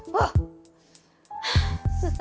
jadi hari ini susah